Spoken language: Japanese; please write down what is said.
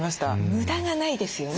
無駄がないですよね。